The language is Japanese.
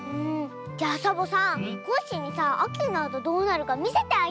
じゃあサボさんコッシーにさあきになるとどうなるかみせてあげようよ。